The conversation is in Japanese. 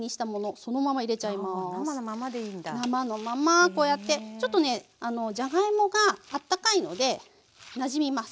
生のままこうやってちょっとねじゃがいもがあったかいのでなじみます。